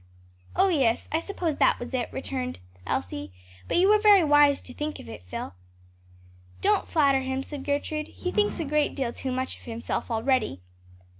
"Oh, yes; I suppose that was it!" returned Elsie. "But you were very wise to think of it, Phil." "Don't flatter him," said Gertrude; "he thinks a great deal too much of himself, already."